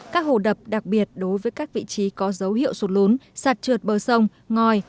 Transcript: các hồ đập đặc biệt đối với các vị trí có dấu hiệu sụt lốn sạt trượt bờ sông ngòi